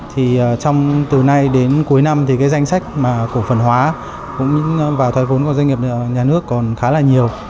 thì từ nay đến cuối năm thì cái danh sách mà cổ phần hóa và thoái vốn của doanh nghiệp nhà nước còn khá là nhiều